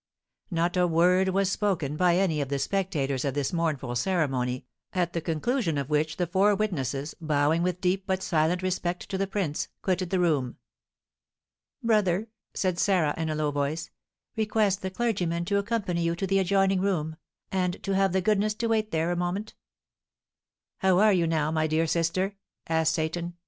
Not a word was spoken by any of the spectators of this mournful ceremony, at the conclusion of which the four witnesses, bowing with deep but silent respect to the prince, quitted the room. "Brother," said Sarah, in a low voice, "request the clergyman to accompany you to the adjoining room, and to have the goodness to wait there a moment." "How are you now, my dear sister?" asked Seyton.